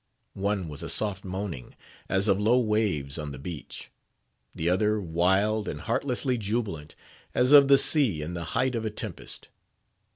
One was a soft moaning, as of low waves on the beach; the other wild and heartlessly jubilant, as of the sea in the height of a tempest.